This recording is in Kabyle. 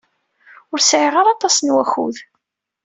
Ur sɛiɣ ara aṭas n wakud.